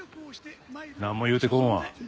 なんも言うてこんわ。